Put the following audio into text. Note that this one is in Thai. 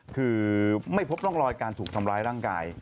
คือไม่พบร่องรอยการถูกทำร้ายร่างกาย